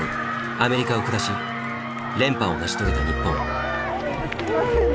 アメリカを下し連覇を成し遂げた日本。